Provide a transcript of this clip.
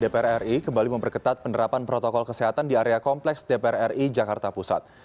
dpr ri kembali memperketat penerapan protokol kesehatan di area kompleks dpr ri jakarta pusat